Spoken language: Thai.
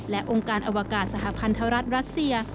และองค์การอวกาศสหพันธรัฐรัสเซีย